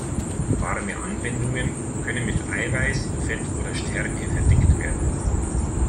Warme Anwendungen können mit Eiweiß, Fett oder Stärke verdickt werden.